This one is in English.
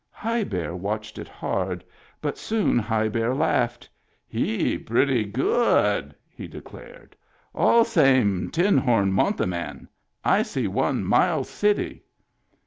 High Bear watched it hard; but soon High Bear laughed. " He pretty good," he declared. " All same tin horn monte man. I see one Miles City."